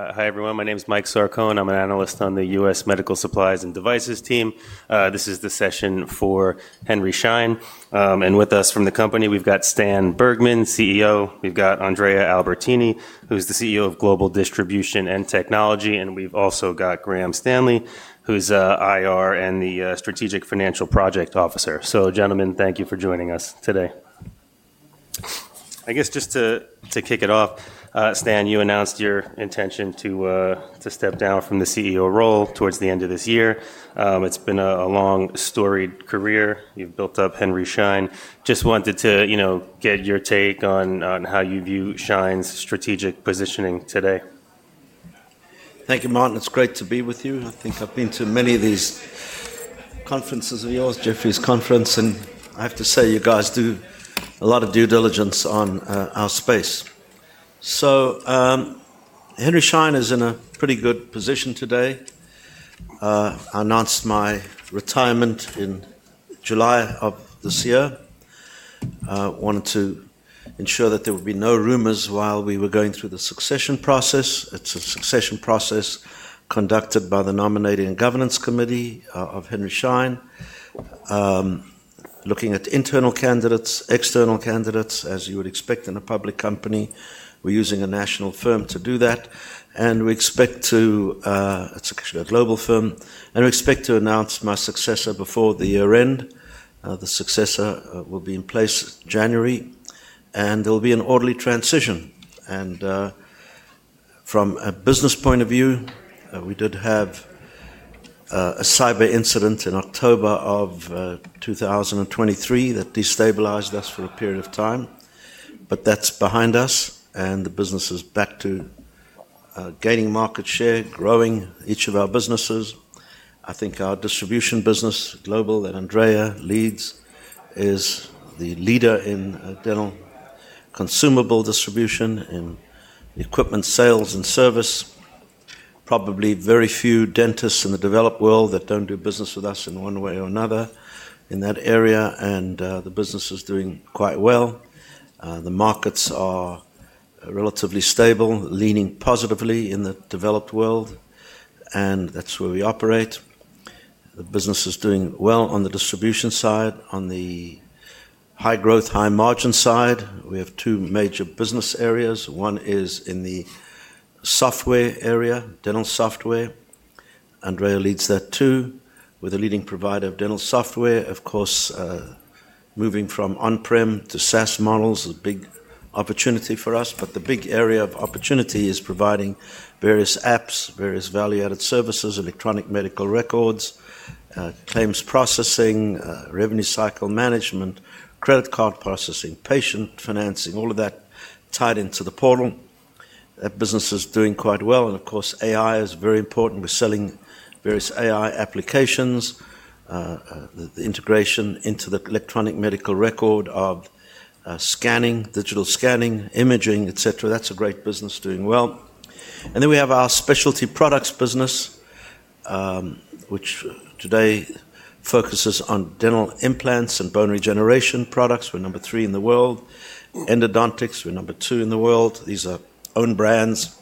Hi, everyone. My name is Mike Sarkon. I'm an analyst on the U.S. Medical Supplies and Devices team. This is the session for Henry Schein. With us from the company, we've got Stan Bergman, CEO. We've got Andrea Albertini, who's the CEO of Global Distribution and Technology. We've also got Graham Stanley, who's IR and the Strategic Financial Project Officer. Gentlemen, thank you for joining us today. I guess just to kick it off, Stan, you announced your intention to step down from the CEO role towards the end of this year. It's been a long-storied career. You've built up Henry Schein. Just wanted to get your take on how you view Schein's strategic positioning today. Thank you, Martin. It's great to be with you. I think I've been to many of these conferences of yours, Jefferies conference, and I have to say you guys do a lot of due diligence on our space. So Henry Schein is in a pretty good position today. I announced my retirement in July of this year. I wanted to ensure that there would be no rumors while we were going through the succession process. It's a succession process conducted by the Nominating and Governance Committee of Henry Schein, looking at internal candidates, external candidates, as you would expect in a public company. We're using a national firm to do that. It is actually a global firm, and we expect to announce my successor before the year-end. The successor will be in place in January, and there will be an orderly transition. From a business point of view, we did have a cyber incident in October of 2023 that destabilized us for a period of time, but that's behind us, and the business is back to gaining market share, growing each of our businesses. I think our distribution business, global, that Andrea leads is the leader in dental consumable distribution and equipment sales and service. Probably very few dentists in the developed world that don't do business with us in one way or another in that area, and the business is doing quite well. The markets are relatively stable, leaning positively in the developed world, and that's where we operate. The business is doing well on the distribution side. On the high-growth, high-margin side, we have two major business areas. One is in the software area, dental software. Andrea leads that too, with a leading provider of dental software. Of course, moving from on-prem to SaaS models is a big opportunity for us. The big area of opportunity is providing various apps, various value-added services, electronic medical records, claims processing, revenue cycle management, credit card processing, patient financing, all of that tied into the portal. That business is doing quite well. Of course, AI is very important. We're selling various AI applications, the integration into the electronic medical record of scanning, digital scanning, imaging, etc. That's a great business, doing well. We have our specialty products business, which today focuses on dental implants and bone regeneration products. We're number three in the world. Endodontics, we're number two in the world. These are own brands,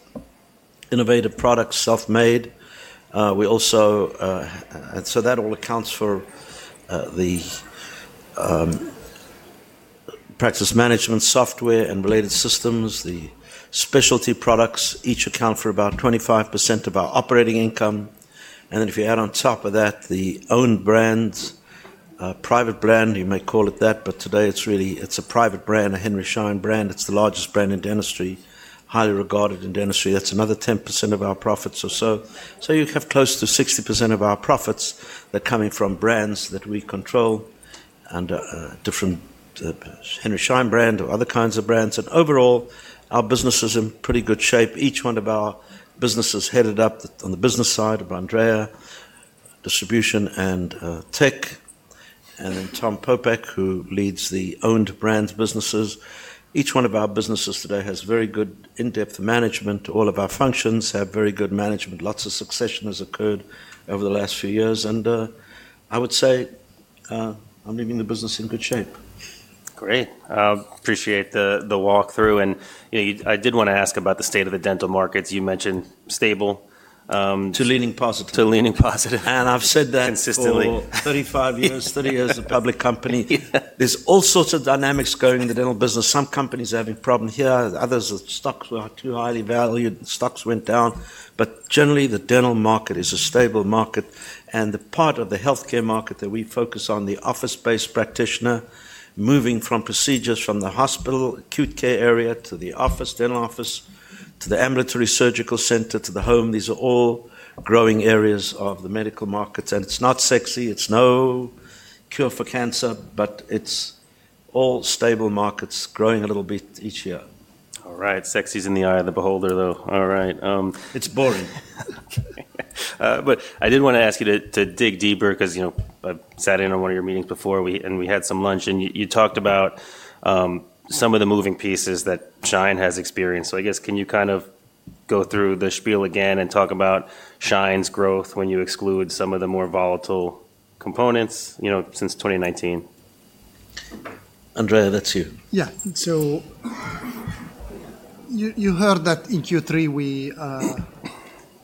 innovative products, self-made. We also--and so that all accounts for the practice management software and related systems. The specialty products, each account for about 25% of our operating income. If you add on top of that the own brands, private brand, you may call it that, but today it's really a private brand, a Henry Schein brand. It's the largest brand in dentistry, highly regarded in dentistry. That's another 10% of our profits or so. You have close to 60% of our profits that are coming from brands that we control and different Henry Schein brand or other kinds of brands. Overall, our business is in pretty good shape. Each one of our businesses headed up on the business side of Andrea, distribution and tech, and then Tom Popeck, who leads the owned brands businesses. Each one of our businesses today has very good in-depth management. All of our functions have very good management. Lots of succession has occurred over the last few years. I would say I'm leaving the business in good shape. Great. Appreciate the walkthrough. I did want to ask about the state of the dental markets. You mentioned stable. To leaning positive. To leaning positive. I've said that for 35 years, 30 years of public company. There are all sorts of dynamics going in the dental business. Some companies are having problems here. Others, the stocks were too highly valued. The stocks went down. Generally, the dental market is a stable market. The part of the healthcare market that we focus on, the office-based practitioner, moving from procedures from the hospital, acute care area to the office, dental office, to the ambulatory surgical center, to the home, these are all growing areas of the medical markets. It's not sexy. It's no cure for cancer, but it's all stable markets growing a little bit each year. All right. Sexy's in the eye of the beholder, though. All right. It's boring. I did want to ask you to dig deeper because I sat in on one of your meetings before, and we had some lunch, and you talked about some of the moving pieces that Schein has experienced. I guess can you kind of go through the spiel again and talk about Schein's growth when you exclude some of the more volatile components since 2019? Andrea, that's you. Yeah. You heard that in Q3 we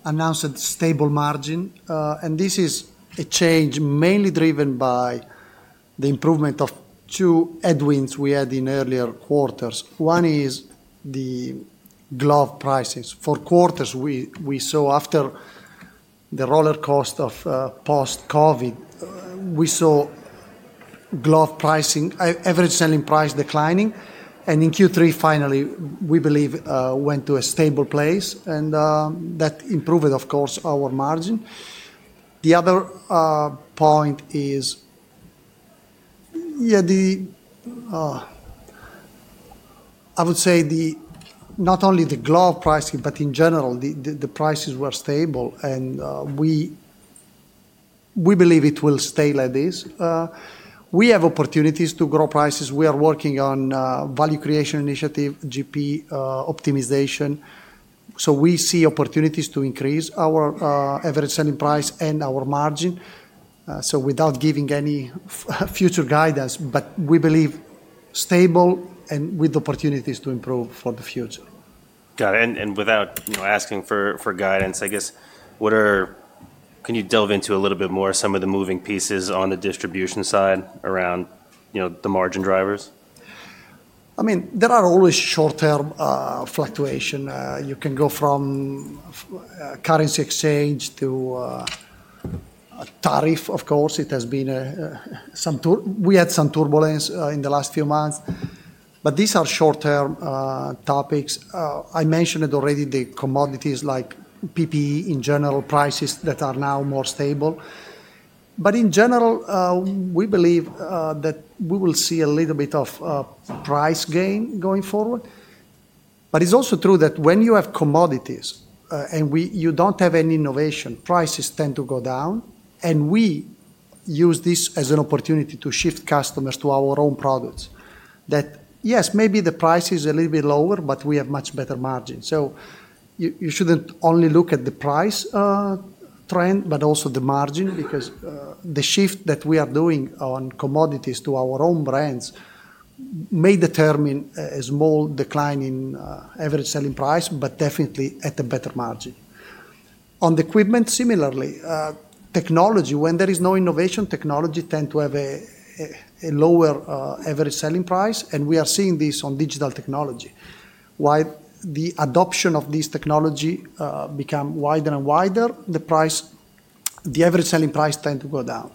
announced a stable margin. This is a change mainly driven by the improvement of two headwinds we had in earlier quarters. One is the glove prices. For quarters, after the roller coaster of post-COVID, we saw glove pricing, average selling price declining. In Q3, finally, we believe it went to a stable place. That improved, of course, our margin. The other point is, yeah, I would say not only the glove pricing, but in general, the prices were stable. We believe it will stay like this. We have opportunities to grow prices. We are working on value-creation initiative, GP optimization. We see opportunities to increase our average selling price and our margin. Without giving any future guidance, we believe stable and with opportunities to improve for the future. Got it. Without asking for guidance, I guess, can you delve into a little bit more of some of the moving pieces on the distribution side around the margin drivers? I mean, there are always short-term fluctuations. You can go from currency exchange to tariff, of course. It has been some—we had some turbulence in the last few months. These are short-term topics. I mentioned it already, the commodities like PPE in general, prices that are now more stable. In general, we believe that we will see a little bit of price gain going forward. It is also true that when you have commodities and you do not have any innovation, prices tend to go down. We use this as an opportunity to shift customers to our own products. That, yes, maybe the price is a little bit lower, but we have much better margins. You should not only look at the price trend, but also the margin because the shift that we are doing on commodities to our own brands may determine a small decline in average selling price, but definitely at a better margin. On the equipment, similarly, technology, when there is no innovation, technology tends to have a lower average selling price. We are seeing this on digital technology. While the adoption of this technology becomes wider and wider, the price, the average selling price tends to go down.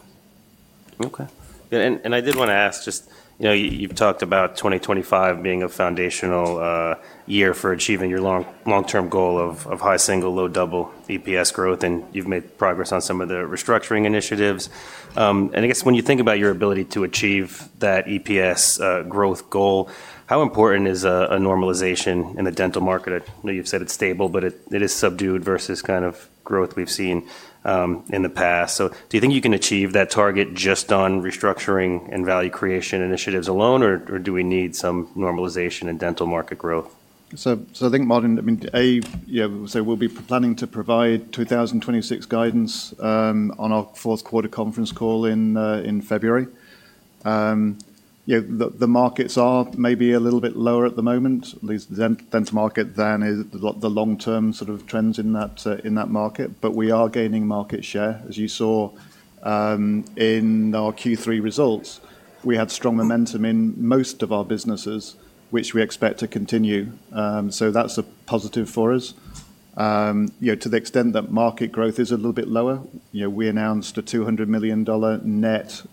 Okay. I did want to ask just, you've talked about 2025 being a foundational year for achieving your long-term goal of high single, low double EPS growth. You've made progress on some of the restructuring initiatives. I guess when you think about your ability to achieve that EPS growth goal, how important is a normalization in the dental market? I know you've said it's stable, but it is subdued versus kind of growth we've seen in the past. Do you think you can achieve that target just on restructuring and value-creation initiatives alone, or do we need some normalization in dental market growth? I think, Martin, I mean, A, yeah, we will be planning to provide 2026 guidance on our fourth quarter conference call in February. The markets are maybe a little bit lower at the moment, at least the dental market, than the long-term sort of trends in that market. We are gaining market share. As you saw in our Q3 results, we had strong momentum in most of our businesses, which we expect to continue. That is a positive for us. To the extent that market growth is a little bit lower, we announced a $200 million net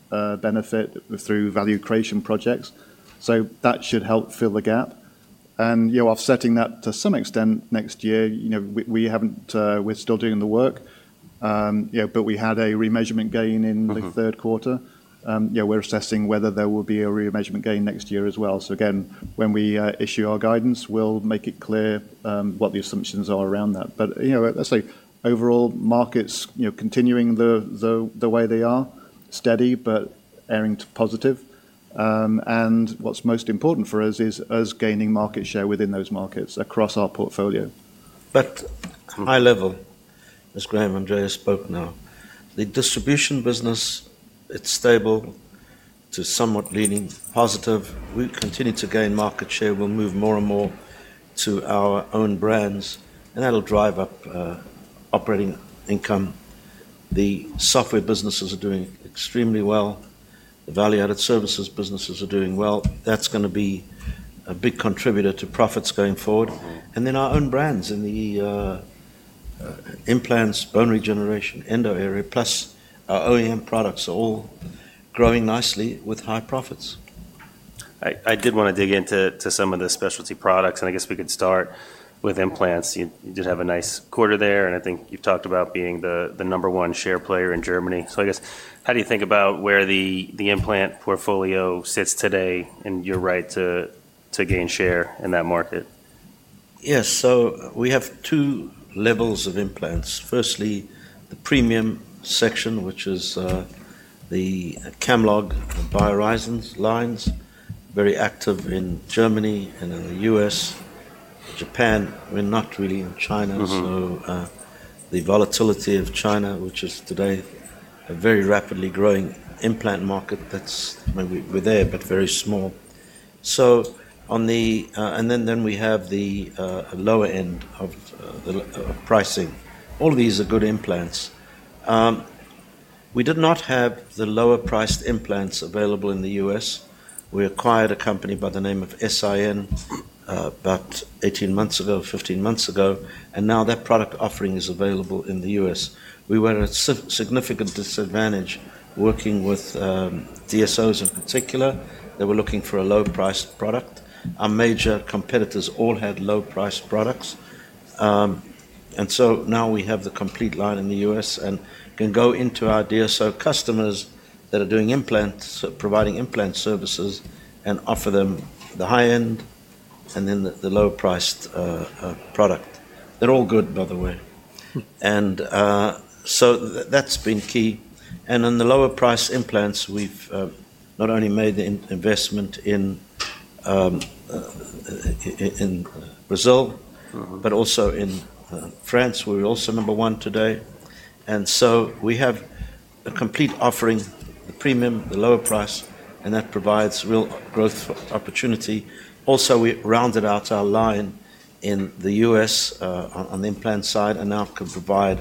benefit through value-creation projects. That should help fill the gap. Offsetting that to some extent next year, we have not—we are still doing the work. We had a remeasurement gain in the third quarter. We are assessing whether there will be a remeasurement gain next year as well. Again, when we issue our guidance, we'll make it clear what the assumptions are around that. Let's say overall markets continuing the way they are, steady, but airing positive. What's most important for us is us gaining market share within those markets across our portfolio. High level, as Graham and Andrea spoke now, the distribution business, it's stable to somewhat leaning positive. We continue to gain market share. We will move more and more to our own brands. That will drive up operating income. The software businesses are doing extremely well. The value-added services businesses are doing well. That is going to be a big contributor to profits going forward. Our own brands in the implants, bone regeneration, endo area, plus our OEM products are all growing nicely with high profits. I did want to dig into some of the specialty products. I guess we could start with implants. You did have a nice quarter there. I think you've talked about being the number one share player in Germany. I guess, how do you think about where the implant portfolio sits today in your right to gain share in that market? Yes. We have two levels of implants. Firstly, the premium section, which is the Camlog, the BioHorizons lines, very active in Germany and in the U.S., Japan. We're not really in China. The volatility of China, which is today a very rapidly growing implant market, that's where we're there, but very small. We have the lower end of pricing. All of these are good implants. We did not have the lower-priced implants available in the U.S.. We acquired a company by the name of SIN about 18 months ago, 15 months ago. Now that product offering is available in the U.S.. We were at a significant disadvantage working with DSOs in particular. They were looking for a low-priced product. Our major competitors all had low-priced products. Now we have the complete line in the U.S. and can go into our DSO customers that are doing implants, providing implant services, and offer them the high-end and then the low-priced product. They're all good, by the way. That has been key. In the lower-priced implants, we've not only made the investment in Brazil, but also in France, where we're also number one today. We have a complete offering, the premium, the lower price, and that provides real growth opportunity. Also, we rounded out our line in the U.S. on the implant side and now can provide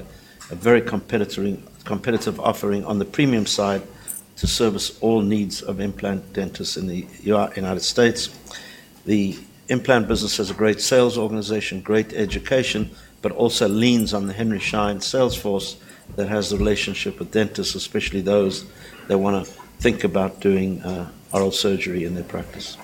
a very competitive offering on the premium side to service all needs of implant dentists in the United States. The implant business has a great sales organization, great education, but also leans on the Henry Schein Salesforce that has the relationship with dentists, especially those that want to think about doing oral surgery in their practice.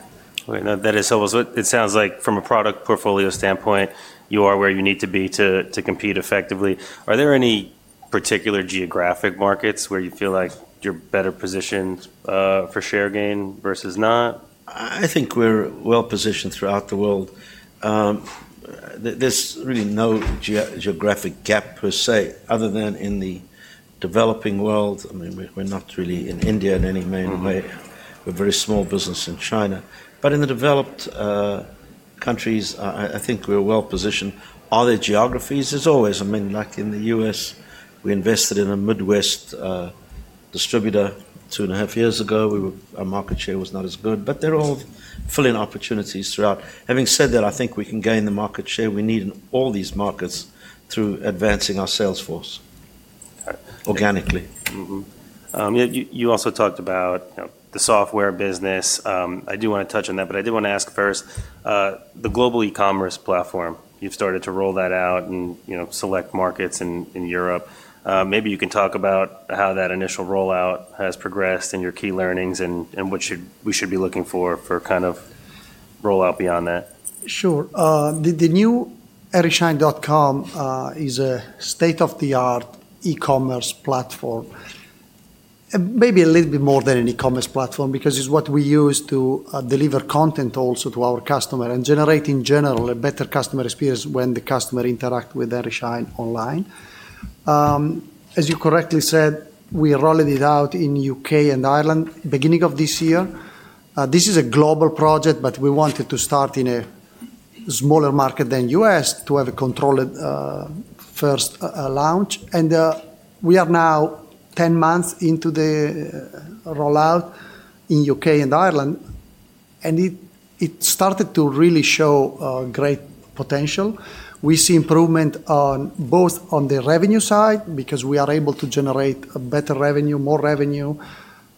All right. Now, that is almost, it sounds like from a product portfolio standpoint, you are where you need to be to compete effectively. Are there any particular geographic markets where you feel like you're better positioned for share gain versus not? I think we're well positioned throughout the world. There's really no geographic gap per se, other than in the developing world. I mean, we're not really in India in any main way. We're a very small business in China. In the developed countries, I think we're well positioned. Other geographies is always, I mean, like in the U.S., we invested in a Midwest distributor two and a half years ago. Our market share was not as good. They're all filling opportunities throughout. Having said that, I think we can gain the market share we need in all these markets through advancing our Salesforce organically. You also talked about the software business. I do want to touch on that. I did want to ask first, the global e-commerce platform, you've started to roll that out in select markets in Europe. Maybe you can talk about how that initial rollout has progressed and your key learnings and what we should be looking for for kind of rollout beyond that. Sure. The new HenrySchein.com is a state-of-the-art e-commerce platform, maybe a little bit more than an e-commerce platform because it's what we use to deliver content also to our customer and generate in general a better customer experience when the customer interacts with Henry Schein online. As you correctly said, we rolled it out in the U.K. and Ireland beginning of this year. This is a global project, but we wanted to start in a smaller market than the U.S. to have a controlled first launch. We are now 10 months into the rollout in the U.K. and Ireland. It started to really show great potential. We see improvement both on the revenue side because we are able to generate better revenue, more revenue,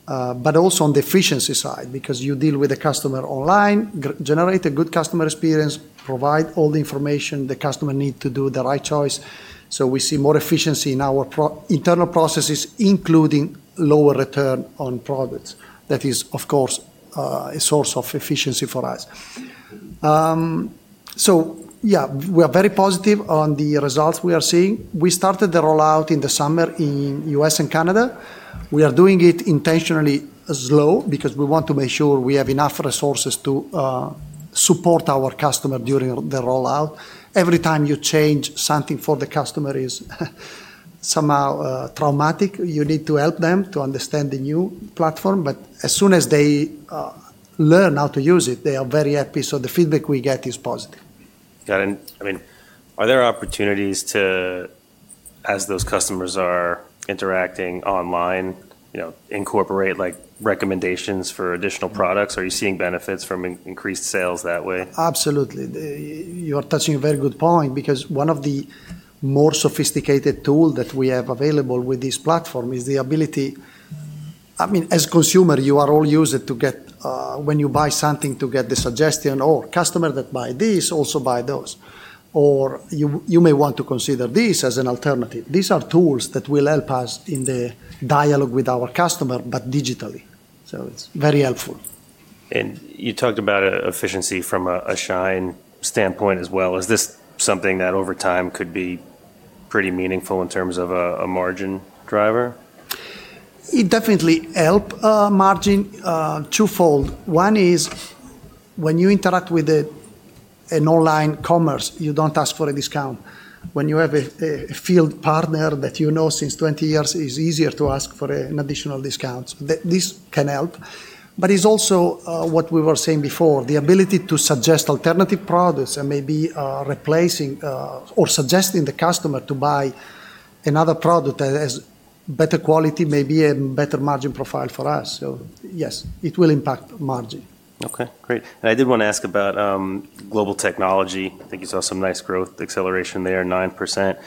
but also on the efficiency side because you deal with the customer online, generate a good customer experience, provide all the information the customer needs to do the right choice. We see more efficiency in our internal processes, including lower return on products. That is, of course, a source of efficiency for us. Yeah, we are very positive on the results we are seeing. We started the rollout in the summer in the U.S. and Canada. We are doing it intentionally slow because we want to make sure we have enough resources to support our customer during the rollout. Every time you change something for the customer is somehow traumatic. You need to help them to understand the new platform. As soon as they learn how to use it, they are very happy. The feedback we get is positive. Got it. I mean, are there opportunities to, as those customers are interacting online, incorporate recommendations for additional products? Are you seeing benefits from increased sales that way? Absolutely. You are touching a very good point because one of the more sophisticated tools that we have available with this platform is the ability, I mean, as a consumer, you are all used to get when you buy something to get the suggestion, "Oh, customers that buy this also buy those." Or you may want to consider this as an alternative. These are tools that will help us in the dialogue with our customer, but digitally. It is very helpful. You talked about efficiency from a Schein standpoint as well. Is this something that over time could be pretty meaningful in terms of a margin driver? It definitely helps margin, twofold. One is when you interact with an online commerce, you do not ask for a discount. When you have a field partner that you know since 20 years, it is easier to ask for an additional discount. This can help. It is also what we were saying before, the ability to suggest alternative products and maybe replacing or suggesting the customer to buy another product that has better quality, maybe a better margin profile for us. Yes, it will impact margin. Okay. Great. I did want to ask about global technology. I think you saw some nice growth acceleration there, 9%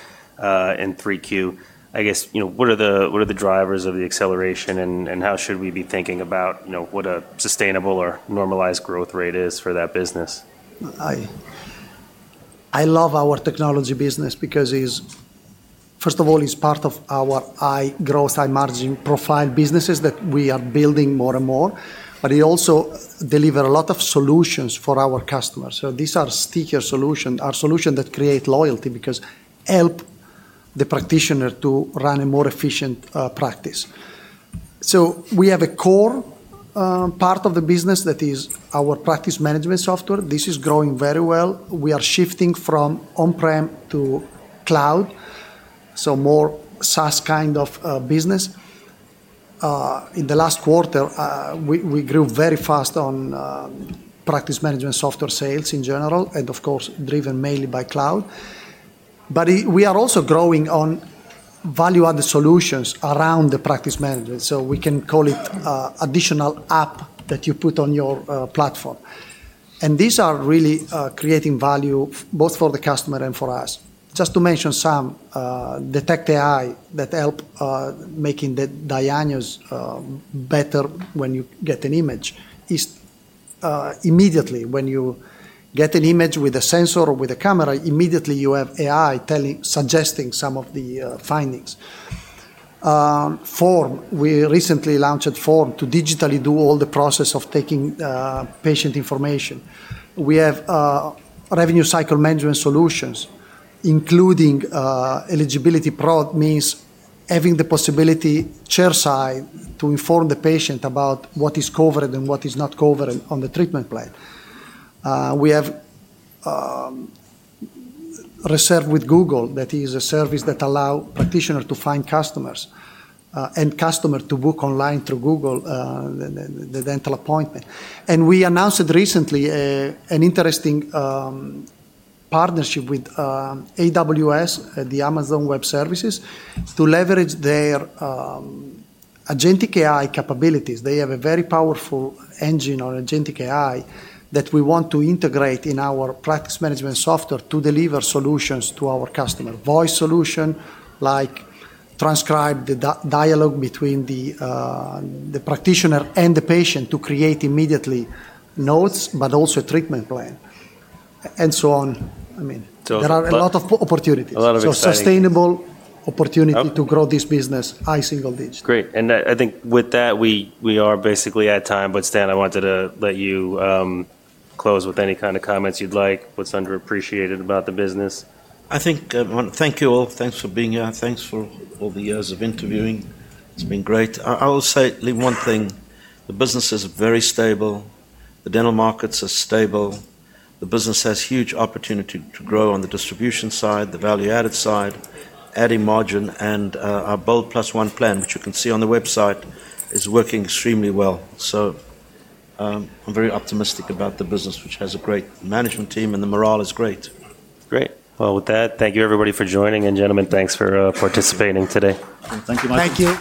in 3Q. I guess, what are the drivers of the acceleration and how should we be thinking about what a sustainable or normalized growth rate is for that business? I love our technology business because, first of all, it's part of our high growth, high margin profile businesses that we are building more and more. It also delivers a lot of solutions for our customers. These are sticker solutions, our solutions that create loyalty because they help the practitioner to run a more efficient practice. We have a core part of the business that is our practice management software. This is growing very well. We are shifting from on-prem to cloud, so more SaaS kind of business. In the last quarter, we grew very fast on practice management software sales in general and, of course, driven mainly by cloud. We are also growing on value-added solutions around the practice management. We can call it an additional app that you put on your platform. These are really creating value both for the customer and for us. Just to mention some, Detect AI that helps make the diagnosis better when you get an image. Immediately, when you get an image with a sensor or with a camera, immediately you have AI suggesting some of the findings. Form, we recently launched Form to digitally do all the process of taking patient information. We have revenue cycle management solutions, including eligibility means having the possibility chairside to inform the patient about what is covered and what is not covered on the treatment plan. We have Reserve with Google that is a service that allows practitioners to find customers and customers to book online through Google the dental appointment. We announced recently an interesting partnership with AWS, the Amazon Web Services, to leverage their agentic AI capabilities. They have a very powerful engine on agentic AI that we want to integrate in our practice management software to deliver solutions to our customer. Voice solution like transcribe the dialogue between the practitioner and the patient to create immediately notes, but also a treatment plan and so on. I mean, there are a lot of opportunities. Sustainable opportunity to grow this business, high single digits. Great. I think with that, we are basically at time. Stan, I wanted to let you close with any kind of comments you'd like, what's underappreciated about the business. I think thank you all. Thanks for being here. Thanks for all the years of interviewing. It's been great. I will say at least one thing. The business is very stable. The dental markets are stable. The business has huge opportunity to grow on the distribution side, the value-added side, adding margin. Our Bold Plus One plan, which you can see on the website, is working extremely well. I am very optimistic about the business, which has a great management team, and the morale is great. Great. With that, thank you, everybody, for joining. Gentlemen, thanks for participating today. Thank you, Mike.